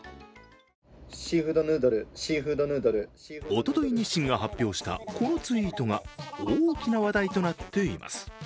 おととい、日清が発表したこのツイートが大きな話題となっています。